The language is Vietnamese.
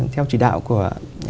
theo chỉ đạo của